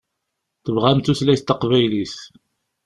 Tebɣam tutlayt taqbaylit.